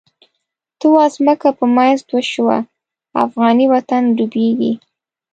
ته واځمکه په منځ دوه شوه، افغانی وطن ډوبیږی